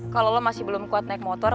kalau lo masih belum kuat naik motor